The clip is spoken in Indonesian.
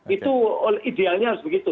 itu idealnya harus begitu